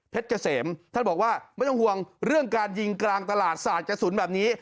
เกษมท่านบอกว่าไม่ต้องห่วงเรื่องการยิงกลางตลาดสาดกระสุนแบบนี้